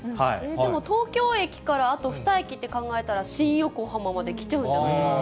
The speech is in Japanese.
でも東京駅からあと２駅って考えたら、新横浜まで来ちゃうんじゃないですか？